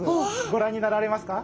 ご覧になられますか？